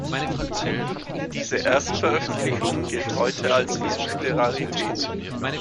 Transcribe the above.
Diese Erstveröffentlichung gilt heute als gesuchte Rarität.